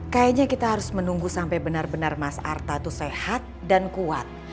kayaknya kita harus menunggu sampai benar benar mas arta itu sehat dan kuat